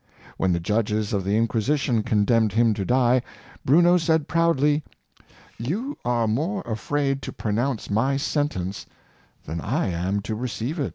When the judges of the Inquisition condemned him to die, Bruno said proudly, " you are more afraid to pronounce my sentence than I am to receive it."